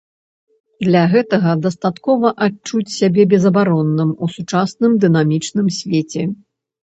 Для гэтага дастаткова адчуць сябе безабаронным у сучасным дынамічным свеце.